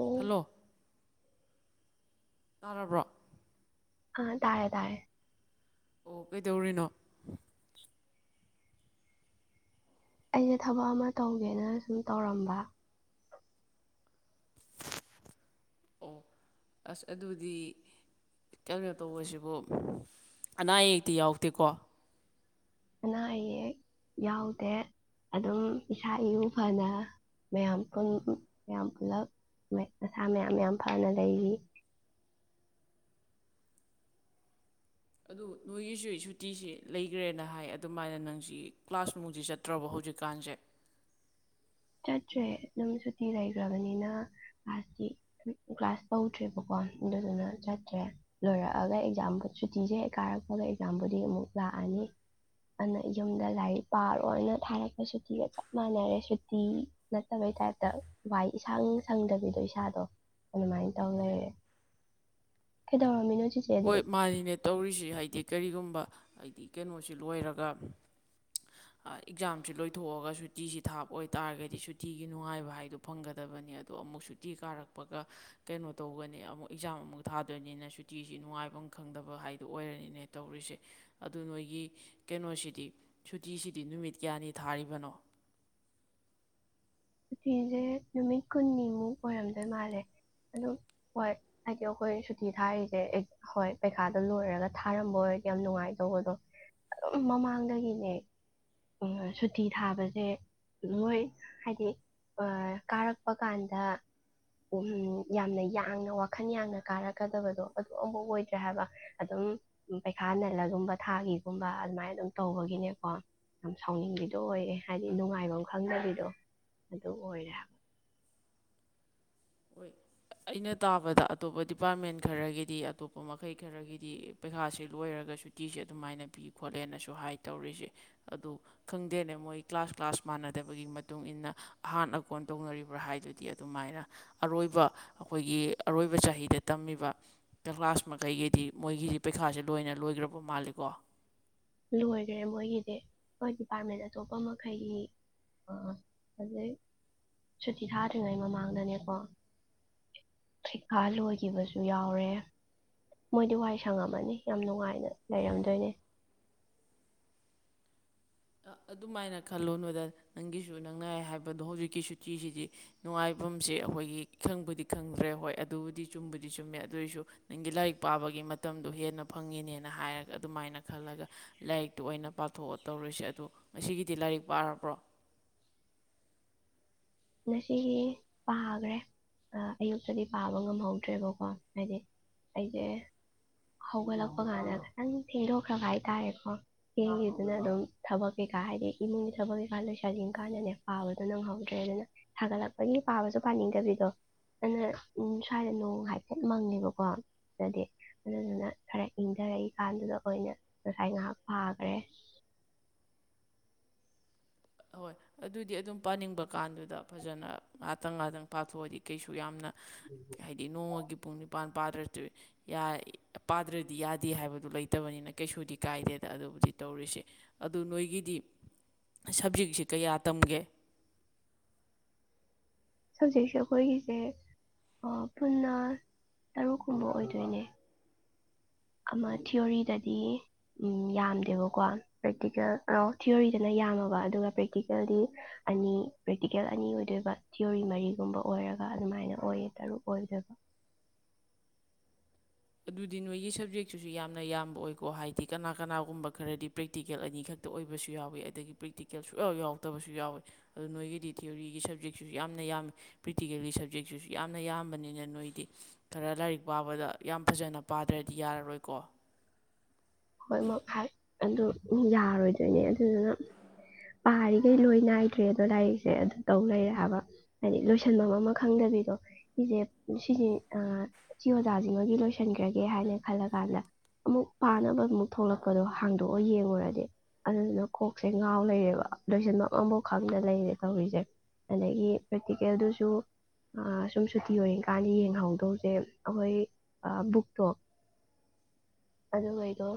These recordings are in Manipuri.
ꯑꯣ ꯍꯜꯂꯣ ꯑꯄ꯭ꯔꯣ ꯑꯥ ꯇꯥꯌꯦ ꯇꯥꯌꯦ ꯑꯣ ꯀꯩꯗꯧꯔꯤꯅꯣ ꯑꯩꯁꯦ ꯊꯕꯛ ꯑꯃ ꯇꯧꯒꯦꯅ ꯁꯨꯝ ꯇꯧꯔꯝꯕ ꯑꯣ ꯑꯁ ꯑꯗꯨꯗꯤ ꯀꯩꯅꯣ ꯇꯧꯕꯁꯤꯕꯨ ꯑꯅꯥ ꯑꯌꯦꯛꯇꯤ ꯌꯥꯎꯗꯦꯀꯣ ꯑꯅꯥ ꯑꯌꯦꯛ ꯌꯥꯎꯗꯦ ꯑꯗꯨꯝ ꯏꯁꯥ ꯏꯎ ꯐꯅ ꯃꯌꯥꯝ ꯃꯌꯥꯝ ꯄꯨꯂꯞ ꯃꯁꯥ ꯃꯌꯥꯝ ꯌꯥꯝ ꯐꯅ ꯂꯩꯔꯤ ꯑꯗꯨ ꯅꯣꯏꯒꯤꯁꯨ ꯁꯨꯇꯤꯁꯤ ꯂꯩꯈ꯭ꯔꯦꯅ ꯍꯥꯏ ꯑꯗꯨꯃꯥꯏꯅ ꯅꯪꯁꯤ ꯀ꯭ꯂꯥꯁ ꯅꯨꯡꯁꯤ ꯆꯠꯇ꯭ꯔꯕ ꯍꯧꯖꯤꯛꯀꯥꯟꯁꯦ ꯆꯠꯇ꯭ꯔꯦ ꯑꯗꯨꯝ ꯁꯨꯇꯤ ꯂꯩꯈ꯭ꯔꯕꯅꯤꯅ ꯀ꯭ꯂꯥꯁꯇꯤ ꯀ꯭ꯂꯥꯁ ꯇꯧꯗ꯭ꯔꯦꯕꯀꯣ ꯑꯗꯨꯗꯨꯅ ꯆꯠꯇ꯭ꯔꯦ ꯂꯣꯏꯔꯛꯑꯒ ꯑꯦꯛꯖꯥꯝ ꯁꯨꯇꯤꯁꯦ ꯍꯦꯛ ꯀꯥꯔꯛꯄꯒ ꯑꯦꯛꯖꯥꯝꯕꯨꯗꯤ ꯑꯃꯨꯛ ꯂꯥꯛꯑꯅꯤ ꯑꯗꯨꯅ ꯌꯨꯝꯗ ꯂꯥꯏꯔꯤꯛ ꯄꯥꯔꯣꯏꯅ ꯊꯥꯔꯛꯄ ꯁꯨꯇꯤꯒ ꯆꯞ ꯃꯥꯟꯅꯔꯦ ꯤ ꯅꯠꯇꯕꯩ ꯇꯥꯏꯞꯇ ꯋꯥꯏ ꯏꯁꯥꯡ ꯁꯪꯗꯕꯤꯗꯣ ꯏꯁꯥꯗꯣ ꯑꯗꯨꯃꯥꯏꯅ ꯇꯧ ꯂꯩꯔꯦ ꯀꯩꯗꯧꯔꯝꯃꯤꯅꯣ ꯆꯤꯆꯦꯗꯤ ꯍꯣꯏ ꯃꯥꯅꯤꯅꯦ ꯇꯧꯔꯤꯁꯤ ꯍꯥꯏꯗꯤ ꯀꯔꯤꯒꯨꯝꯕ ꯍꯥꯏꯗꯤ ꯀꯩꯅꯣꯁꯤ ꯂꯣꯏꯔꯒ ꯑꯦꯛꯖꯥꯝꯁꯤ ꯂꯣꯏꯊꯣꯛꯑꯒ ꯁꯨꯇꯤꯁꯤ ꯊꯥꯕ ꯑꯣꯏꯇꯥꯥꯔꯒꯗꯤ ꯁꯨꯇꯤꯒꯤ ꯅꯨꯡꯉꯥꯏꯕ ꯍꯥꯏꯗꯣ ꯐꯪꯒꯗꯕꯅꯤ ꯑꯗꯣ ꯑꯃꯨꯛ ꯁꯨꯇꯤ ꯀꯥꯔꯛꯄꯒ ꯀꯩꯅꯣ ꯇꯧꯒꯅꯤ ꯑꯃꯨꯛ ꯑꯦꯛꯖꯥꯝ ꯑꯃꯨꯛ ꯊꯥꯗꯣꯏꯅꯤꯅ ꯁꯨꯇꯤꯁꯤ ꯁꯤ ꯅꯨꯡꯉꯥꯏꯐꯝ ꯈꯪꯗꯕ ꯍꯥꯏꯗꯣ ꯑꯣꯏꯔꯅꯤꯅꯦ ꯇꯧꯔꯤꯁꯦ ꯑꯗꯨ ꯅꯣꯏꯒꯤ ꯀꯩꯅꯣꯁꯤꯗꯤ ꯁꯨꯇꯤꯁꯤꯗꯤ ꯅꯨꯃꯤꯠ ꯀꯌꯥꯅꯤ ꯊꯥꯔꯤꯕꯅꯣ ꯁꯨꯇꯤꯁꯦ ꯅꯨꯃꯤꯠ ꯀꯨꯟꯅꯤꯃꯨꯛ ꯑꯣꯏꯔꯝꯗꯣꯏ ꯃꯥꯜꯂꯦ ꯑꯗꯨꯝ ꯍꯣꯏ ꯍꯥꯏꯗꯤ ꯑꯩꯈꯣꯏ ꯁꯨꯇꯤ ꯊꯥꯔꯤꯁꯦ ꯍꯣꯏ ꯄꯩꯈꯥꯗꯣ ꯂꯣꯏꯔꯒ ꯊꯥꯔꯝꯕ ꯑꯣꯏꯔꯗꯤ ꯌꯥꯝ ꯅꯨꯡꯉꯥꯏꯗꯧꯕꯗꯣ ꯑꯗꯨꯝ ꯃꯃꯥꯡꯗꯒꯤꯅꯦ ꯁꯨꯇꯤ ꯊꯥꯕꯁꯦ ꯂꯣꯏ ꯍꯥꯏꯗꯤ ꯀꯥꯔꯛꯄ ꯀꯥꯟꯗ ꯌꯥꯝꯅ ꯌꯥꯡꯅ ꯋꯥꯈꯜ ꯌꯥꯡꯅ ꯀꯥꯔꯛꯀꯗꯕꯗꯣ ꯑꯗꯨ ꯑꯃꯐ ꯑꯣꯏꯗ꯭ꯔꯦ ꯍꯥꯏꯕ ꯑꯗꯨꯝ ꯄꯩꯈꯥ ꯅꯜꯂꯒꯨꯝꯕ ꯊꯥꯒꯤꯒꯨꯝꯕ ꯑꯗꯨꯃꯥꯏꯅ ꯑꯗꯨꯝ ꯇꯧꯕꯒꯤꯅꯦꯀꯣ ꯌꯥꯝ ꯁꯥꯎꯅꯤꯡꯕꯤꯗꯣ ꯑꯣꯏꯔꯦ ꯍꯥꯏꯗꯤ ꯅꯨꯡꯉꯥꯏꯕ ꯈꯪꯗꯕꯤꯗꯣ ꯑꯗꯨ ꯑꯣꯏꯔꯦ ꯍꯥꯏꯕ ꯍꯣꯏ ꯑꯩꯅ ꯇꯥꯕꯗ ꯑꯇꯣꯞꯄ ꯗꯤꯄꯥꯔꯠꯃꯦꯟ ꯈꯔꯒꯤꯗꯤ ꯑꯇꯣꯞꯄ ꯃꯈꯩ ꯈꯔꯒꯤꯗꯤ ꯄꯩꯈꯥꯁꯦ ꯂꯣꯏꯔꯒ ꯁꯨꯇꯤꯁꯦ ꯑꯗꯨꯃꯥꯏꯅ ꯄꯤ ꯈꯣꯠꯂꯦꯅꯁꯨ ꯍꯥꯏ ꯇꯧꯔꯤꯁꯦ ꯑꯗꯨ ꯈꯪꯗꯦꯅꯦ ꯃꯣꯏ ꯀ꯭ꯂꯥꯁ ꯀ꯭ꯂꯥꯁ ꯃꯥꯟꯅꯗꯕꯒꯤ ꯃꯇꯨꯡ ꯏ ꯃꯇꯨꯡꯏꯟꯅ ꯑꯍꯥꯟ ꯑ ꯀꯣꯟ ꯇꯧꯅꯔꯤꯕ꯭ꯔꯥ ꯍꯥꯏꯗꯨꯗꯤ ꯑꯗꯨꯃꯥꯏꯅ ꯑꯔꯣꯏꯕ ꯑꯩꯈꯣꯏꯒꯤ ꯑꯔꯣꯏꯕ ꯆꯍꯤꯗ ꯇꯝꯃꯤꯕ ꯀ꯭ꯂꯥꯁ ꯃꯈꯩꯒꯤꯗꯤ ꯃꯣꯏꯒꯤꯗꯤ ꯄꯩꯈꯥꯁꯦ ꯂꯣꯏꯅ ꯂꯣꯏꯈ꯭ꯔꯕ ꯃꯥꯜꯂꯤꯀꯣ ꯂꯣꯏꯈ꯭ꯔꯦ ꯃꯣꯏꯒꯤꯗꯤ ꯍꯣꯏ ꯗꯤꯄꯥꯔꯠꯃꯦꯟ ꯑꯇꯣꯞꯄ ꯃꯈꯩꯒꯤ ꯍꯧꯖꯤꯛ ꯁꯨꯇꯤ ꯊꯥꯗ꯭ꯔꯤꯉꯩ ꯃꯃꯥꯡꯗꯅꯦꯀꯣ ꯁꯤꯀꯥ ꯂꯣꯏꯈꯤꯕꯁꯨ ꯌꯥꯎꯔꯦ ꯃꯣꯏꯗꯤ ꯋꯥ ꯁꯪꯉꯝꯃꯅꯤ ꯌꯥꯝ ꯅꯨꯡꯉꯥꯏꯅ ꯂꯩꯔꯝꯗꯣꯏꯅꯦ ꯑꯗꯨꯃꯥꯏꯅ ꯈꯜꯂꯣꯅꯗ ꯅꯪꯒꯤꯁꯨ ꯅꯪꯅ ꯍꯥꯏꯕꯗꯣ ꯍꯧꯖꯤꯛꯀꯤ ꯁꯨꯇꯤꯁꯤꯗꯤ ꯅꯨꯡꯉꯥꯏꯐꯝꯁꯦ ꯑꯩꯈꯣꯏꯒꯤ ꯈꯪꯕꯨꯗꯤ ꯈꯪꯗ꯭ꯔꯦ ꯍꯣꯏ ꯑꯗꯨꯕꯨꯗꯤ ꯆꯨꯝꯕꯨꯗꯤ ꯆꯨꯝꯃꯦ ꯑꯗꯨꯏꯁꯨ ꯅꯪꯒꯤ ꯂꯥꯏꯔꯤꯛ ꯄꯥꯕꯒꯤ ꯃꯇꯝꯗꯣ ꯍꯦꯟꯅ ꯐꯪꯉꯤꯅꯦꯅ ꯍꯥꯏꯔꯒ ꯑꯗꯨꯃꯥꯏꯅ ꯈꯜꯂꯒ ꯂꯥꯏꯔꯤꯛꯇꯨ ꯑꯣꯏꯅ ꯄꯥꯊꯣꯛꯑ ꯇꯧꯔꯨꯁꯦ ꯑꯗꯣ ꯉꯁꯤꯒꯤꯗꯤ ꯂꯥꯏꯔꯤꯛ ꯄꯥꯔꯕ꯭ꯔꯣ ꯉꯁꯤꯒꯤ ꯄꯥꯈ꯭ꯔꯦ ꯑꯌꯨꯛꯇꯗꯤ ꯄꯥꯕ ꯉꯝꯍꯧꯗ꯭ꯔꯦꯕꯀꯣ ꯍꯥꯏꯗꯤ ꯑꯩꯁꯦ ꯍꯧꯒꯠꯂꯛꯄ ꯀꯥꯟꯗ ꯈꯤꯇꯪ ꯊꯦꯡꯗꯣꯛꯈ꯭ꯔꯕ ꯍꯥꯏꯇꯥꯔꯦꯀꯣ ꯆꯦꯡꯒꯤꯗꯨꯅ ꯑꯗꯨꯝ ꯊꯕꯛ ꯀꯩꯀꯥ ꯍꯥꯏꯗꯤ ꯏꯃꯨꯡꯒꯤ ꯊꯕꯛ ꯀꯩꯀꯥ ꯂꯣꯏꯁꯟꯖꯤꯟ ꯀꯥꯟꯗꯅꯦ ꯄꯥꯕꯗꯣ ꯅꯪꯍꯧꯗ꯭ꯔꯦ ꯑꯗꯨꯅ ꯁꯥꯒꯠꯂꯛꯄꯒꯤ ꯄꯥꯕꯁꯨ ꯄꯥꯅꯤꯡꯗꯕꯤꯗꯣ ꯑꯗꯨꯅ ꯎ ꯁ꯭ꯋꯥꯏꯗ ꯅꯣꯡ ꯍꯥꯏꯐꯦꯠ ꯃꯪꯉꯦꯕꯀꯣ ꯑꯗꯨꯗꯤ ꯑꯗꯨꯗꯨꯅ ꯈꯔ ꯏꯪꯊꯔꯛꯏꯀꯥꯟꯗꯨꯗ ꯑꯣꯏꯅ ꯉꯁꯥꯏ ꯉꯥꯏꯍꯥꯛ ꯄꯥꯈ꯭ꯔꯦ ꯑꯣꯏ ꯑꯗꯨꯗꯤ ꯑꯗꯨꯝ ꯄꯥꯅꯤꯡꯕ ꯀꯥꯟꯗꯨꯗ ꯐꯖꯅ ꯉꯍꯥꯛꯇꯪ ꯉꯥꯏꯥꯛꯇꯪ ꯄꯥꯊꯣꯛꯑꯗꯤ ꯀꯩꯁꯨ ꯌꯥꯝꯅ ꯍꯥꯏꯗꯤ ꯅꯣꯡꯃꯒꯤ ꯄꯨꯡ ꯅꯤꯄꯥꯟ ꯄꯥꯗ꯭ꯔꯗꯤ ꯌꯥꯗꯦ ꯍꯥꯏꯕꯗꯨ ꯂꯩꯇꯕꯅꯤꯅ ꯀꯩꯁꯨꯗꯤ ꯀꯥꯏꯗꯦꯗ ꯑꯗꯨꯕꯨꯗꯤ ꯇꯧꯔꯤꯁꯦ ꯑꯗꯨ ꯅꯣꯏꯒꯤꯗꯤ ꯁꯕꯖꯤꯛꯁꯤ ꯀꯌꯥ ꯇꯝꯒꯦ ꯁꯕꯖꯦꯛꯁꯦ ꯑꯩꯈꯣꯏꯒꯤꯁꯦ ꯄꯨꯟꯅ ꯇꯔꯨꯛꯀꯨꯝꯕ ꯑꯣꯏꯗꯣꯏꯅꯦ ꯑꯃ ꯊꯤꯑꯣꯣꯔꯤꯗꯗꯤ ꯌꯥꯝꯗꯦꯕꯀꯣ ꯄ꯭ꯔꯦꯛꯇꯤꯀꯦꯜ ꯑꯣ ꯊꯤꯌꯣꯔꯤꯗꯅ ꯌꯥꯝꯃꯕ ꯑꯗꯨꯒ ꯄ꯭ꯔꯦꯛꯇꯤꯀꯦꯜꯗꯤ ꯑꯅꯤ ꯄ꯭ꯔꯦꯛꯇꯤꯀꯦꯜ ꯑꯅꯤ ꯑꯣꯏꯗꯣꯏꯕ ꯊꯤꯑꯣꯣꯔꯤ ꯃꯔꯤꯒꯨꯝꯕ ꯑꯣꯏꯔꯒ ꯑꯗꯨꯃꯥꯏꯅ ꯑꯣꯏꯌꯦ ꯇꯔꯨꯛ ꯑꯣꯏꯗꯣꯏꯕ ꯑꯗꯨꯗꯤ ꯅꯣꯏꯒꯤ ꯁꯕꯖꯦꯛꯛꯇꯨꯁꯨ ꯌꯥꯝꯅ ꯌꯥꯝꯕ ꯑꯣꯏꯀꯣ ꯍꯥꯏꯗꯤ ꯀꯅꯥ ꯀꯅꯥꯒꯨꯝꯕ ꯈꯔꯗꯤ ꯄ꯭ꯔꯦꯛꯇꯤꯀꯦꯜ ꯑꯅꯤ ꯈꯛꯇ ꯑꯣꯏꯕꯁꯨ ꯌꯥꯎꯋꯤ ꯑꯗꯒꯤ ꯄ꯭ꯔꯦꯛꯇꯤꯀꯦꯜ ꯁꯨꯛꯌꯥꯎ ꯌꯥꯎꯔꯛꯇꯕꯁꯨ ꯌꯥꯎꯋꯤ ꯑꯗꯨ ꯅꯣꯏꯒꯤꯗꯤ ꯊꯤꯑꯣꯔꯤꯒꯤ ꯁꯞꯖꯦꯛꯁꯤꯁꯨ ꯌꯥꯝꯅ ꯌꯥꯝꯃꯤ ꯄ꯭ꯔꯦꯛꯇꯤꯀꯦꯜꯒꯤ ꯁꯕꯖꯦꯛꯁꯤꯁꯨ ꯌꯥꯝꯅ ꯌꯥꯝꯕꯅꯤꯅ ꯅꯣꯏꯗꯤ ꯈꯔ ꯂꯥꯏꯔꯤꯛ ꯄꯥꯕꯗ ꯌꯥꯝ ꯐꯖꯅ ꯄꯥꯗ꯭ꯔꯗꯤ ꯌꯥꯔꯔꯣꯏꯀꯣ ꯍꯣꯏ ꯍꯥꯏ ꯑꯗꯨ ꯌꯥꯔꯔꯣꯏꯗꯣꯏꯅꯦ ꯑꯗꯨꯗꯨꯅ ꯌꯥꯔꯤꯈꯩ ꯂꯣꯏ ꯅꯥꯏꯗ꯭ꯔꯦ ꯑꯗꯣ ꯂꯥꯏꯔꯤꯛꯁꯦ ꯑꯗꯨ ꯇꯧ ꯂꯩꯔꯦ ꯍꯥꯏꯕ ꯍꯥꯏꯗꯤ ꯂꯣꯏꯁꯟꯐꯝ ꯑꯃ ꯈꯪꯗꯕꯤꯗꯣ ꯁꯤꯁꯦ ꯁꯤꯁꯦ ꯁꯤ ꯑꯣꯖꯥꯁꯤꯡꯃꯒꯤ ꯂꯣꯏꯁꯤꯟꯈ꯭ꯔꯒꯦ ꯍꯥꯏꯅ ꯈꯜꯂ ꯀꯥꯟꯗ ꯑꯃꯨꯛ ꯄꯥꯅꯕ ꯑꯃꯨꯛ ꯊꯣꯛꯂꯛꯄꯗꯣ ꯍꯥꯡꯗꯣꯛꯑ ꯌꯦꯡꯉꯨꯔꯗꯤ ꯑꯗꯨꯗꯨꯅ ꯀꯣꯛꯁꯦ ꯉꯥꯎ ꯂꯩꯔꯦꯕ ꯂꯣꯏꯁꯤꯟꯕ ꯑꯃꯐꯥꯎ ꯈꯪꯗ ꯂꯩꯔꯦ ꯇꯧꯔꯤꯁꯦ ꯑꯗꯒꯤ ꯄ꯭ꯔꯦꯛꯇꯤꯀꯦꯜꯗꯨꯁꯨ ꯁꯨꯝ ꯁꯨꯇꯤ ꯑꯣꯏꯔꯤꯡꯀꯥꯟꯗ ꯌꯦꯡꯍꯧꯗꯧꯁꯦ ꯑꯩꯈꯣꯏ ꯕꯨꯛꯇꯣ ꯑꯗꯨꯩꯗꯣ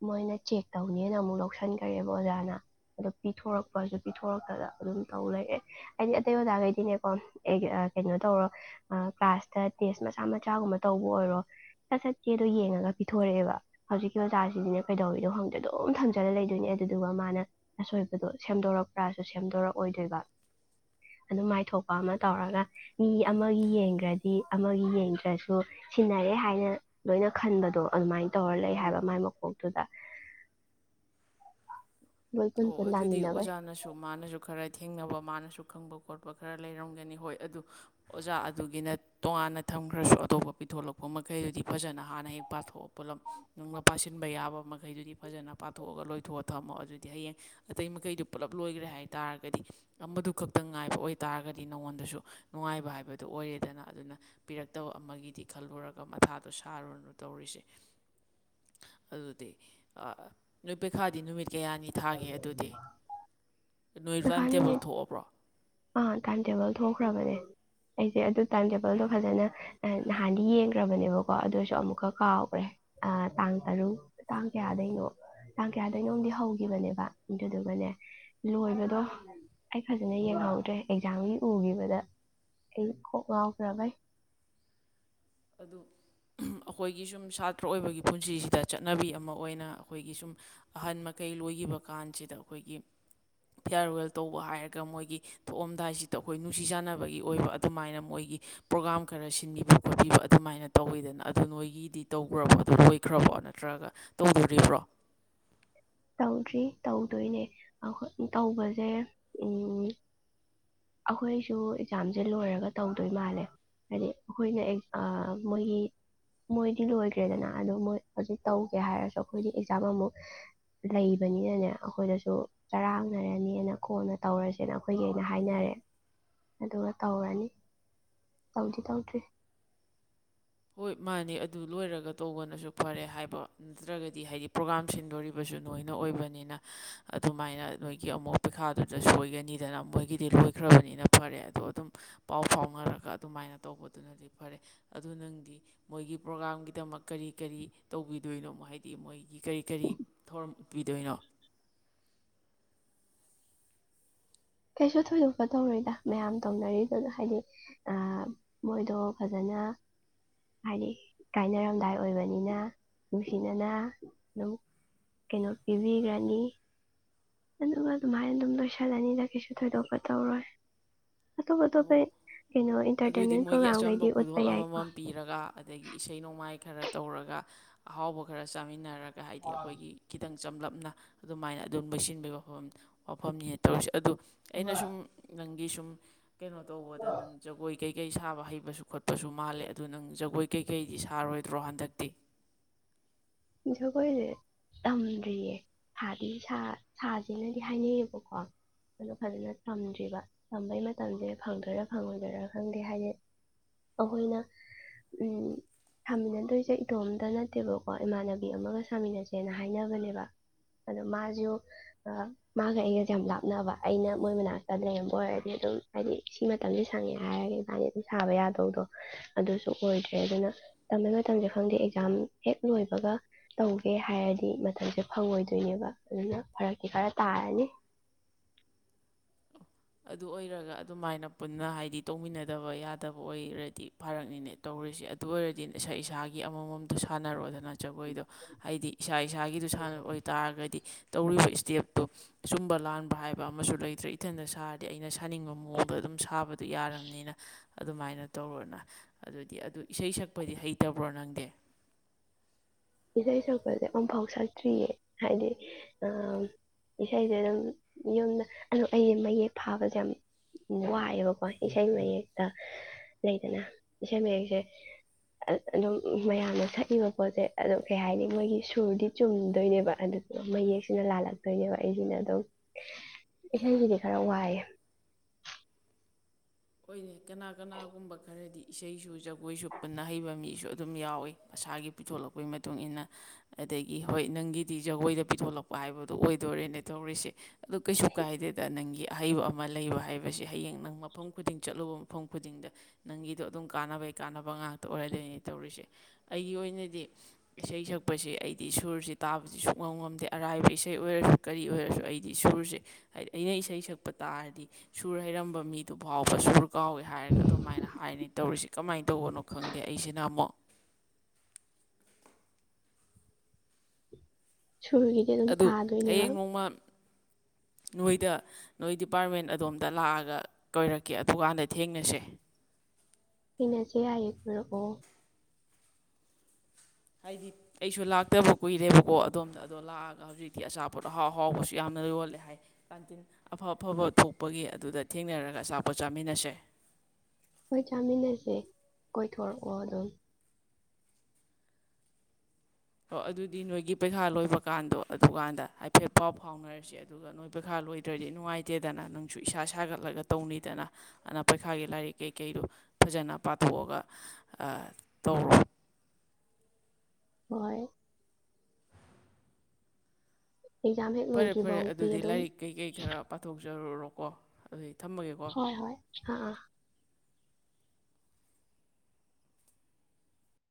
ꯃꯣꯏꯅ ꯆꯦꯛ ꯇꯧꯅꯦꯅ ꯑꯃꯨꯛ ꯂꯧꯁꯟꯈ꯭ꯔꯦꯕ ꯑꯣꯖꯥꯅ ꯑꯗꯨꯗꯣ ꯄꯤꯊꯣꯔꯛꯄꯁꯨ ꯄꯤꯊꯣꯔꯛꯇꯗ ꯑꯗꯨꯝ ꯇꯧ ꯂꯩꯔꯦ ꯍꯥꯏꯗꯤ ꯑꯇꯩ ꯑꯣꯖꯥꯈꯩꯗꯤꯅꯦꯀꯣ ꯀꯩꯅꯣ ꯇꯧꯔꯣ ꯀ꯭ꯂꯥꯁꯇ ꯇꯦꯁ ꯃꯆꯥ ꯃꯆꯥꯒꯨꯝꯕ ꯇꯧꯕ ꯑꯣꯏꯔꯣ ꯁꯠ ꯁꯠꯀꯦꯗꯣ ꯌꯦꯡꯉꯒ ꯄꯤꯊꯣꯔꯛꯑꯦꯕ ꯍꯧꯖꯤꯛꯀꯤ ꯆꯆꯥꯁꯤꯗꯤꯅꯦ ꯀꯩꯗꯧꯔꯤꯗꯣ ꯈꯪꯗꯦ ꯑꯗꯨꯝ ꯊꯝꯖꯤꯜꯂꯒ ꯂꯩꯗꯣꯏꯅꯦ ꯑꯗꯨꯗꯨꯒ ꯃꯥꯅ ꯑꯁꯣꯏꯕꯗꯣ ꯁꯦꯝꯗꯣꯔꯛꯄ꯭ꯔꯥꯁꯨ ꯁꯦꯝꯗꯣꯔꯛꯑꯣꯏꯗꯣꯏꯕ ꯑꯗꯨ ꯃꯥꯏꯊꯣꯛꯄ ꯑꯃ ꯇꯧꯔꯒ ꯃꯤ ꯑꯃꯒꯤ ꯌꯦꯡꯈ꯭ꯔꯗꯤ ꯑꯃꯒꯤ ꯌꯦꯡꯗ꯭ꯔꯁꯨ ꯁꯤꯟꯅꯔꯦ ꯍꯥꯏꯅ ꯂꯣꯏꯅ ꯈꯟꯕꯗꯣ ꯑꯗꯨꯃꯥꯏꯅ ꯇꯧꯔ ꯂꯩ ꯍꯥꯏꯕ ꯃꯥꯏ ꯀꯊꯗ ꯑꯣ ꯑꯗꯨꯗꯤ ꯑꯣꯖꯥꯅꯁꯨ ꯃꯥꯅꯁꯨ ꯈꯔ ꯊꯦꯡꯅꯕ ꯃꯥꯅꯁꯨ ꯈꯪꯕ ꯈꯣꯠꯄ ꯈꯔ ꯂꯩꯔꯝꯒꯅꯤ ꯍꯣꯏ ꯑꯗꯨ ꯑꯣꯖꯥ ꯑꯗꯨꯒꯤꯅ ꯇꯣꯉꯥꯟꯅ ꯊꯝꯈ꯭ꯔꯁꯨ ꯑꯇꯣꯞꯄ ꯄꯤꯊꯣꯛꯂꯛꯄ ꯃꯈꯩꯗꯨꯗꯤ ꯐꯖꯅ ꯍꯥꯟꯅ ꯍꯦꯛ ꯄꯥꯊꯣꯛꯑ ꯄꯨꯣꯂꯝ ꯅꯨꯡꯗ ꯄꯥꯁꯤꯟꯕ ꯌꯥꯕ ꯃꯈꯩꯗꯨꯗꯤ ꯐꯖꯅ ꯄꯥꯊꯣꯛꯑꯒ ꯂꯣꯏꯊꯣꯛꯑ ꯊꯝꯃꯣ ꯑꯗꯨ ꯍꯌꯦꯡ ꯑꯇꯩ ꯃꯈꯩꯗꯨ ꯄꯨꯜꯂꯞ ꯂꯣꯏꯈ꯭ꯔꯦ ꯍꯥꯏ ꯇꯥꯔꯒꯗꯤ ꯑꯃꯗꯨ ꯈꯛꯇꯪ ꯉꯥꯏꯕ ꯑꯣꯏꯇꯥꯥꯔꯒꯗꯤ ꯅꯉꯣꯟꯗꯁꯨ ꯅꯨꯡꯉꯥꯏꯕ ꯍꯥꯏꯕꯗꯨ ꯑꯣꯏꯔꯦꯗꯅ ꯑꯗꯨꯅ ꯄꯤꯔꯛꯇꯕ ꯑꯃꯒꯤꯗꯤ ꯈꯜꯂꯨꯔꯒ ꯃꯊꯥꯗꯣ ꯁꯥꯔꯨꯔꯅꯨ ꯇꯧꯔꯤꯁꯦ ꯑꯗꯨꯗꯤ ꯅꯣꯏ ꯄꯩꯈꯥꯗꯤ ꯅꯨꯃꯤꯠ ꯀꯌꯥꯅꯤ ꯊꯥꯒꯦ ꯑꯗꯨꯗꯤ ꯅꯣꯏ ꯀꯩꯈꯥ ꯇꯥꯏꯝ ꯇꯦꯕꯜ ꯅꯨꯃꯤꯠ ꯊꯣꯛꯑꯕ꯭ꯔꯣ ꯑꯥ ꯇꯥꯏꯝ ꯇꯦꯕꯜ ꯊꯣꯛꯈ꯭ꯔꯕꯅꯦ ꯑꯩꯁꯦ ꯑꯗꯨ ꯇꯥꯏꯝ ꯇꯦꯕꯜꯗꯣ ꯐꯖꯅ ꯅꯍꯥꯟꯗꯤ ꯌꯦꯡꯈ꯭ꯔꯕꯅꯦꯕꯀꯣ ꯑꯗꯨꯁꯨ ꯑꯃꯨꯛꯀ ꯀꯥꯎꯈ꯭ꯔꯦ ꯇꯥꯡ ꯇꯔꯨꯛ ꯇꯥꯡ ꯀꯌꯥꯗꯩꯅꯣ ꯇꯥꯡ ꯀꯌꯥꯗꯩꯅꯣꯝꯗꯤ ꯍꯧꯦ ꯈꯤꯕꯅꯦꯕ ꯑꯗꯨꯗꯨꯒꯅꯦ ꯂꯣꯏꯕꯗꯣ ꯑꯩ ꯐꯖꯅ ꯌꯦꯡꯍꯧꯗ꯭ꯔꯦ ꯑꯦꯛꯖꯥꯝꯒꯤ ꯎꯈꯤꯕꯗ ꯑꯩ ꯀꯣꯛ ꯉꯥꯎꯈ꯭ꯔꯕꯩ ꯑꯗꯨ ꯑꯩꯈꯣꯏꯒꯤ ꯁꯨꯝ ꯁꯥꯇ꯭ꯔ ꯑꯣꯏꯕꯒꯤ ꯄꯨꯟꯁꯤꯁꯤꯗ ꯆꯠꯅꯕꯤ ꯑꯃ ꯑꯣꯏꯅ ꯑꯩꯈꯣꯏꯒꯤ ꯁꯨꯝ ꯑꯍꯟ ꯃꯈꯩ ꯂꯣꯏꯈꯤꯕ ꯀꯥꯟꯁꯤꯗ ꯑꯩꯈꯣꯏꯒꯤ ꯐꯤꯌꯥꯔꯋꯦꯜ ꯇꯧꯕ ꯍꯥꯏꯔꯒ ꯃꯣꯏꯒꯤ ꯊꯣꯛꯑꯝꯗꯥꯏꯁꯤꯗ ꯑꯩꯈꯣꯏ ꯅꯨꯡꯁꯤ ꯆꯥꯟꯅꯕꯒꯤ ꯑꯣꯏꯕ ꯑꯗꯨꯃꯥꯏꯅ ꯃꯣꯏꯒꯤ ꯄ꯭ꯔꯣꯒꯥ꯭ꯔꯥꯝ ꯈꯔ ꯁꯤꯟꯕꯤꯕ ꯈꯣꯠꯄꯤꯕ ꯑꯗꯨꯃꯥꯏꯅ ꯇꯧꯋꯤꯗꯅ ꯑꯗꯨ ꯅꯣꯏꯒꯤꯗꯤ ꯇꯧꯈ꯭ꯔꯕꯣ ꯑꯗꯨ ꯂꯣꯏꯈ꯭ꯔꯕꯣ ꯅꯠꯇ꯭ꯔꯒ ꯇꯧꯗꯣꯔꯤꯕ꯭ꯔꯣ ꯇꯧꯗ꯭ꯔꯤ ꯇꯧꯗꯣꯏꯅꯦ ꯇꯧꯕꯁꯦ ꯎ ꯑꯩꯈꯣꯏꯁꯨ ꯑꯦꯛꯖꯥꯝꯁꯦ ꯂꯣꯏꯔꯒ ꯇꯧꯗꯣꯏ ꯃꯥꯜꯂꯦ ꯍꯥꯏꯗꯤ ꯑꯩꯈꯣꯏꯅ ꯃꯣꯏꯒꯤ ꯃꯣꯏꯗꯤ ꯂꯣꯏꯈ꯭ꯔꯦꯗꯅ ꯑꯗ ꯃꯣꯏ ꯍꯧꯖꯤꯛ ꯇꯧꯒꯦ ꯍꯥꯏꯔꯁꯨ ꯑꯩꯈꯣꯏꯗꯤ ꯑꯦꯛꯖꯥꯝ ꯑꯃꯨꯛ ꯂꯩꯕꯅꯤꯅꯅꯦ ꯑꯩꯈꯣꯏꯗꯁꯨ ꯆꯔꯥꯡꯅꯔꯅꯤꯅ ꯈꯣꯟꯅ ꯇꯧꯔꯁꯦꯅ ꯑꯩꯈꯣꯏꯒꯤ ꯑꯩꯅ ꯍꯥꯏꯅꯔꯦ ꯑꯗꯨꯒ ꯇꯧꯔꯅꯤ ꯇꯧꯗꯤ ꯇꯧꯗ꯭ꯔꯤ ꯍꯣꯏ ꯃꯥꯅꯦ ꯑꯗꯨ ꯂꯣꯏꯔꯒ ꯇꯧꯕꯅꯁꯨ ꯐꯔꯦ ꯍꯥꯏꯕ ꯅꯠꯇ꯭ꯔꯒꯗꯤ ꯍꯥꯏꯗꯤ ꯄ꯭ꯔꯣꯒꯥꯝ ꯁꯤꯟꯗꯣꯔꯤꯕꯁꯨ ꯅꯣꯏꯅ ꯑꯣꯏꯕꯅꯤꯅ ꯑꯗꯨꯃꯥꯏꯅ ꯅꯣꯏꯒꯤ ꯑꯃꯨꯛ ꯄꯩꯈꯥꯗꯨꯗ ꯁꯣꯏꯒꯅꯤꯗꯅ ꯃꯣꯏꯒꯤꯗꯤ ꯂꯣꯏꯈ꯭ꯔꯕꯅꯤꯅ ꯐꯔꯦ ꯑꯗꯣ ꯑꯗꯨꯝ ꯄꯥꯎ ꯐꯥꯎꯅꯔꯒ ꯑꯗꯨꯃꯥꯏꯅ ꯇꯧꯕꯗꯨꯅꯗꯤ ꯐꯔꯦ ꯑꯗꯨ ꯅꯪ ꯍꯥꯏꯗꯤ ꯃꯣꯏꯒꯤ ꯄ꯭ꯔꯣꯒ꯭ꯔꯥꯝꯒꯤꯗꯃꯛ ꯀꯔꯤ ꯀꯔꯤ ꯇꯧꯕꯤꯗꯣꯏꯅꯣ ꯍꯥꯏꯗꯤ ꯃꯣꯏꯒꯤ ꯀꯔꯤ ꯀꯔꯤ ꯊꯧꯔꯝ ꯎꯠꯄꯤꯗꯣꯏꯅꯣ ꯀꯩꯁꯨ ꯊꯣꯏꯗꯣꯛꯄ ꯇꯧꯔꯣꯏꯗ ꯃꯌꯥꯝ ꯇꯧꯅꯔꯤꯗꯨꯅ ꯍꯥꯏꯗꯤ ꯃꯣꯏꯗꯣ ꯐꯖꯅ ꯍꯥꯏꯗꯤ ꯀꯥꯏꯅꯔꯝꯗꯥꯏ ꯑꯣꯏꯕꯅꯤꯅ ꯅꯨꯡꯁꯤꯅꯅ ꯑꯗꯨꯝ ꯀꯩꯅꯣ ꯄꯤꯕꯤꯈ꯭ꯔꯅꯤ ꯑꯗꯨꯒ ꯑꯗꯨꯃꯥꯏꯅ ꯑꯗꯨꯝ ꯂꯣꯏꯁꯤꯜꯂꯅꯤꯅ ꯀꯩꯁꯨ ꯊꯣꯏꯗꯣꯛꯄ ꯇꯧꯔꯣꯏ ꯑꯇꯣꯞ ꯑꯇꯣꯞꯄ ꯀꯩꯅꯣ ꯑꯗꯨꯗꯤ ꯏꯟꯇꯔꯇꯦꯟꯃꯦꯟ ꯃꯣꯏꯒꯤ ꯑꯆꯝꯕ ꯄ꯭ꯔꯣꯒꯥꯝꯈꯩꯗꯤ ꯎꯠꯄ ꯈꯨꯗꯣꯜ ꯌꯥꯏꯀꯣ ꯑꯃꯃꯝ ꯄꯤꯔꯒ ꯑꯗꯒꯤ ꯏꯁꯩ ꯅꯣꯡꯃꯥꯏ ꯈꯔ ꯇꯧꯔꯒ ꯑꯍꯥꯎꯕ ꯈꯔ ꯆꯥꯃꯤꯟꯅꯔꯒ ꯍꯥꯏꯗꯤ ꯑꯩꯈꯣꯏꯒꯤ ꯈꯤꯇꯪ ꯆꯝꯂꯞꯅ ꯑꯗꯨꯃꯥꯏꯅ ꯑꯗꯨꯝ ꯂꯩꯁꯤꯟꯕꯒꯤ ꯋꯥꯐꯝ ꯋꯥꯐꯝꯅꯤ ꯇꯧ ꯑꯗꯣ ꯑꯩꯅ ꯁꯨꯝ ꯒꯤꯁꯨꯝ ꯀꯩꯅꯣ ꯇꯧꯕꯗ ꯅꯪ ꯀꯈꯣꯏ ꯀꯩ ꯀꯩ ꯁꯥꯕ ꯍꯩꯕꯁꯨ ꯈꯣꯠꯄ ꯨ ꯃꯥꯜꯂꯦ ꯑꯗꯨ ꯅꯪ ꯖꯒꯣꯏ ꯀꯩꯀꯩꯗꯤ ꯁꯥꯔꯣꯏꯗ꯭ꯔꯣ ꯍꯟꯗꯛꯇꯤ ꯖꯒꯣꯏꯁꯦ ꯇꯝꯗ꯭ꯔꯤꯌꯦ ꯁꯥꯗꯤ ꯁꯥ ꯁꯥꯁꯤꯅꯗꯤ ꯍꯥꯏꯅꯩꯌꯦꯕꯀꯣ ꯑꯗꯨꯗꯣ ꯐꯖꯅ ꯇꯝꯗ꯭ꯔꯤꯕ ꯇꯝꯕꯩ ꯃꯇꯝꯁꯦ ꯐꯪꯗꯣꯏꯔꯥ ꯐꯪꯉꯣꯏꯗꯣꯏꯔꯥ ꯈꯪꯗꯦ ꯍꯥꯏꯗꯤ ꯑꯩꯈꯣꯏꯅ ꯎꯝ ꯊꯝꯃꯤꯟꯅꯗꯣꯏꯁꯦ ꯏꯇꯣꯝꯇ ꯅꯠꯇꯦꯕꯀꯣ ꯏꯃꯥꯟꯅꯕꯤ ꯑꯃꯒ ꯁꯥꯃꯤꯟꯅꯁꯦꯅ ꯍꯥꯏꯅꯕꯅꯦꯕ ꯑꯗꯣ ꯃꯥꯁꯨ ꯃꯥꯒ ꯑꯩꯒꯁꯦ ꯌꯥꯝ ꯂꯥꯞꯅꯕ ꯑꯩꯅ ꯃꯣꯏ ꯃꯅꯥꯛꯇꯥꯗ꯭ꯔꯕ ꯑꯣꯏꯔꯗꯤ ꯑꯗꯨꯝ ꯍꯥꯏꯗꯤ ꯁꯤ ꯃꯇꯝꯁꯦ ꯁꯪꯉꯦ ꯍꯥꯏꯔꯒ ꯏꯕꯥꯅꯤ ꯑꯗꯨꯝ ꯁꯥꯕ ꯌꯥꯗꯧꯗꯣ ꯑꯗꯨꯁꯨ ꯑꯣꯏꯗ꯭ꯔꯦ ꯑꯗꯨꯅ ꯇꯝꯕꯩ ꯃꯇꯝꯁꯦ ꯈꯪꯗꯦ ꯑꯦꯛꯖꯥꯝ ꯍꯦꯛ ꯂꯣꯏꯕꯒ ꯇꯧꯒꯦ ꯍꯥꯏꯔꯗꯤ ꯃꯊꯪꯁꯦ ꯐꯪꯉꯣꯏꯗꯣꯏꯅꯦꯕ ꯑꯗꯨꯅ ꯐꯔꯛꯇꯤ ꯈꯔ ꯇꯥꯔꯅꯤ ꯑꯗꯨ ꯑꯣꯏꯔꯒ ꯑꯗꯨꯃꯥꯏꯅ ꯄꯨꯟꯅ ꯍꯥꯏꯗꯤ ꯇꯧꯃꯤꯟꯅꯗꯕ ꯌꯥꯗꯕ ꯑꯣꯏꯔꯗꯤ ꯐꯥꯔꯛꯅꯤꯅꯦ ꯇꯧꯔꯤꯁꯦ ꯑꯗꯨ ꯑꯣꯏꯔꯗꯤ ꯏꯁꯥ ꯏꯁꯥꯒꯤ ꯑꯃꯃꯝꯇꯣ ꯁꯥꯟꯅꯔꯣꯗꯅ ꯖꯒꯣꯏꯗꯣ ꯍꯥꯏꯗꯤ ꯏꯁꯥ ꯏꯁꯥꯒꯤꯗꯨ ꯁꯥꯟꯅ ꯑꯣꯏꯇꯥꯔꯒꯗꯤ ꯇꯧꯔꯤꯕ ꯏꯁꯇꯦꯞꯇꯣ ꯁꯨꯝꯕ ꯂꯥꯟꯕ ꯍꯥꯏꯕ ꯑꯃꯁꯨ ꯂꯩꯇ꯭ꯔꯦ ꯏꯊꯟꯗ ꯁꯥꯔꯤ ꯗꯤ ꯑꯩꯅ ꯁꯥꯅꯤꯡꯕ ꯃꯑꯣꯡꯗ ꯑꯗꯨꯝ ꯁꯥꯕꯗꯨ ꯌꯥꯔꯕꯅꯤꯅ ꯑꯗꯨꯃꯥꯏꯅ ꯇꯧꯔꯣꯅ ꯑꯗꯨꯗꯤ ꯑꯗꯨ ꯏꯁꯩ ꯁꯛꯄꯗꯤ ꯍꯩꯇꯕ꯭ꯔꯣ ꯅꯪꯗꯦ ꯏꯁꯩ ꯁꯛꯄꯁꯦ ꯑꯃꯨꯐꯥꯎ ꯁꯛꯇ꯭ꯔꯤꯌꯦ ꯍꯥꯏꯗꯤ ꯏꯁꯩꯁꯦ ꯑꯗꯨꯝ ꯌꯨꯝꯗ ꯑꯗꯨ ꯑꯩꯁꯦ ꯃꯌꯦꯛ ꯐꯥꯕꯁꯦ ꯌꯥꯝ ꯋꯥꯏꯑꯦꯕꯀꯣ ꯏꯁꯩ ꯃꯌꯦꯛꯇ ꯂꯩꯗꯅ ꯏꯁꯩ ꯃꯌꯦꯛꯁꯦ ꯑꯗꯨꯝ ꯃꯌꯥꯝꯅ ꯁꯛꯏꯕ ꯄꯣꯠꯁꯦ ꯑꯗꯣ ꯀꯩ ꯍꯥꯏꯅꯤ ꯃꯣꯏꯒꯤ ꯁꯨꯔꯗꯤ ꯆꯨꯝꯗꯣꯏꯅꯦꯕ ꯑꯗꯨ ꯃꯌꯦꯛꯁꯤꯅ ꯂꯥꯜꯂꯛꯇꯣꯏꯅꯦꯕ ꯑꯩꯁꯤꯅ ꯑꯗꯨꯝ ꯏꯁꯩꯁꯤꯗꯤ ꯈꯔ ꯋꯥꯏꯑꯦ ꯑꯣꯏꯔꯦ ꯀꯅꯥ ꯀꯅꯥꯒꯨꯝꯕ ꯈꯔꯗꯤ ꯏꯁꯩꯁꯨ ꯖꯒꯣꯏꯁꯨ ꯄꯨꯟꯅ ꯍꯩꯕ ꯃꯤꯁꯨ ꯑꯗꯨꯝ ꯌꯥꯎꯏꯤ ꯃꯁꯥꯒꯤ ꯄꯤꯊꯣꯛꯂꯛꯄꯒꯤ ꯃꯇꯨꯡ ꯏ ꯃꯇꯨꯡꯏꯟꯅ ꯑꯗꯒꯤ ꯍꯣꯏ ꯅꯪꯒꯤꯗꯤ ꯖꯒꯣꯏꯗ ꯄꯤꯊꯣꯛꯂꯛꯄ ꯍꯥꯏꯕꯗꯣ ꯑꯣꯏꯗꯣꯔꯦꯅꯦ ꯇꯧꯔꯤꯁꯦ ꯑꯗꯨ ꯀꯩꯁꯨ ꯀꯥꯏꯗꯦꯗ ꯅꯪꯒꯤ ꯑꯍꯩꯕ ꯑꯃ ꯂꯩꯕ ꯍꯥꯏꯕꯁꯦ ꯍꯌꯦꯡ ꯅꯪ ꯃꯐꯝ ꯈꯨꯗꯤꯡ ꯆꯠꯂꯨꯕ ꯃꯐꯝ ꯈꯨꯗꯤꯡꯗ ꯅꯪꯒꯤꯗꯣ ꯑꯗꯨꯝ ꯀꯥꯟꯅꯕꯩ ꯀꯥꯟꯅꯕ ꯉꯥꯛꯇ ꯑꯣꯏꯔꯗꯣꯏꯅꯦ ꯇꯧꯔꯤꯁꯦ ꯑꯩꯒꯤ ꯑꯣꯏꯅꯗꯤ ꯏꯁꯩ ꯁꯛꯄꯁꯦ ꯑꯩꯗꯤ ꯁꯨꯔꯁꯤ ꯇꯥꯕꯁꯤ ꯁꯨꯛ ꯉꯝ ꯉꯝꯗꯦ ꯑꯔꯥꯏꯕ ꯏꯁꯩ ꯑꯣꯏꯔꯁꯨ ꯀꯔꯤ ꯑꯣꯏꯔꯁꯨ ꯑꯩꯗꯤ ꯁꯨꯔꯁꯦ ꯍꯥꯏꯗꯤ ꯑꯩꯅ ꯏꯁꯩ ꯁꯛꯄ ꯇꯥꯔꯗꯤ ꯁꯨꯔ ꯍꯩꯔꯝꯕ ꯃꯤꯗꯨ ꯐꯥꯎꯕ ꯁꯨꯔ ꯀꯥꯎꯋꯦ ꯍꯥꯏꯔꯒ ꯑꯗꯨꯃꯥꯏꯅ ꯍꯥꯏꯅꯤ ꯇꯧꯔꯤꯁ ꯀꯃꯥꯏꯅ ꯇꯧꯕꯅꯣ ꯈꯪꯗꯦ ꯑꯩꯁꯤꯅ ꯑꯃꯨꯛ [inaudible] ꯁꯨꯔꯒꯤꯗꯤ ꯑꯗꯨꯝ ꯑꯗꯨ ꯊꯥꯗꯣꯏꯅꯦꯕ ꯍꯌꯦꯡ ꯅꯣꯡꯃ ꯅꯣꯏꯗ ꯅꯣꯏ ꯗꯤꯄꯥꯔꯠꯃꯦꯟ ꯑꯗꯣꯝꯗ ꯂꯥꯛꯑꯒ ꯀꯣꯏꯔꯛꯀꯦ ꯑꯗꯨꯀꯥꯟꯗ ꯊꯦꯡꯅꯁꯦ ꯁꯤꯅꯁꯦ ꯍꯥꯏꯌꯦꯔꯛꯑꯣ ꯍꯥꯏꯗꯤ ꯑꯩꯁꯨ ꯂꯥꯛꯇꯕ ꯀꯨꯏꯔꯦꯕꯀꯣ ꯑꯗꯣꯝꯗ ꯑꯗꯣ ꯂꯥꯛꯑꯒ ꯍꯧꯖꯤꯛꯇꯤ ꯑꯆꯥꯄꯣꯠ ꯑꯍꯥꯎ ꯑꯍꯥꯎꯕꯁꯨ ꯌꯥꯝꯅ ꯌꯣꯜꯂꯦ ꯍꯥꯏ ꯀꯥꯟꯇꯤꯟ ꯑꯐ ꯑꯐꯕ ꯊꯣꯛꯄꯒꯤ ꯑꯗꯨꯗ ꯊꯦꯡꯅꯔꯒ ꯑꯆꯥꯄꯣꯠ ꯆꯥꯃꯤꯟꯅꯁꯦ ꯍꯣꯏ ꯆꯥꯃꯤꯟꯅꯁꯦ ꯀꯣꯏꯊꯣꯔꯛꯑꯣ ꯑꯗꯨꯝ ꯑꯣ ꯑꯗꯨꯗꯤ ꯅꯣꯏꯒꯤ ꯄꯩꯈꯥ ꯂꯣꯏꯕ ꯀꯥꯟꯗꯣ ꯑꯗꯨꯀꯥꯟꯗ ꯍꯥꯏꯐꯦꯠ ꯄꯥꯎ ꯐꯥꯎꯅꯔꯁꯤ ꯑꯗꯨꯒ ꯅꯣꯏ ꯄꯩꯈꯥ ꯂꯣꯏꯗ꯭ꯔꯗꯤ ꯅꯨꯡꯉꯥꯏꯇꯦꯗꯅ ꯅꯪꯁꯨ ꯏꯁꯥ ꯁꯥꯒꯠꯂꯒ ꯇꯧꯅꯤꯩꯗꯅ ꯑꯗꯨꯅ ꯄꯩꯈꯥꯒꯤ ꯂꯥꯏꯔꯤꯛ ꯀꯩꯀꯩꯗꯣ ꯐꯖꯅ ꯄꯥꯊꯣꯛꯑꯒ ꯇꯧꯔꯣ ꯍꯣꯏ ꯑꯦꯛꯖꯥꯝ ꯍꯦꯛ ꯐꯔꯦ ꯐꯔꯦ ꯂꯣꯏꯗ꯭ꯔꯤꯐꯥꯎꯗꯤ ꯑꯗꯨꯗꯤ ꯑꯗꯨꯝ ꯂꯥꯏꯔꯤꯛ ꯀꯩꯀꯩ ꯈꯔ ꯄꯥꯊꯣꯛꯆ ꯆꯔꯨꯔꯣꯀꯣ ꯑꯗꯨꯒꯤ ꯍꯣꯏ ꯍꯣꯏ ꯑ ꯑ